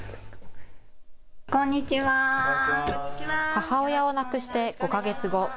母親を亡くして５か月後。